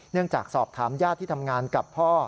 จากสอบถามญาติที่ทำงานกับพ่อ